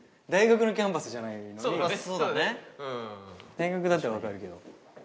大学だったら分かるけど。